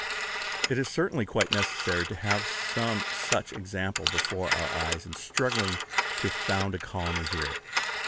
It is certainly quite necessary to have some such example before our eyes in struggling to found a colony here.